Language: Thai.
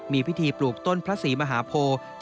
มีพิธีปลูกต้นพระศรีมหาโพ